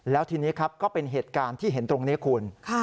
แล้วทีนี้ครับก็เป็นเหตุการณ์ที่เห็นตรงนี้คุณ